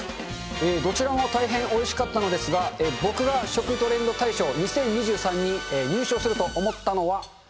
どちらも大変おいしかったのですが、僕が食トレンド大賞２０２３に入賞すると思ったのは。